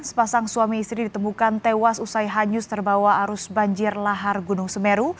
sepasang suami istri ditemukan tewas usai hanyus terbawa arus banjir lahar gunung semeru